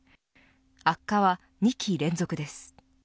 悪化は２期連続です。